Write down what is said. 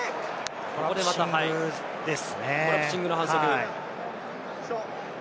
ここでまたコラプシングの反則です。